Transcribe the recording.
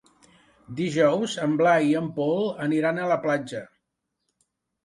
Dijous en Blai i en Pol aniran a la platja.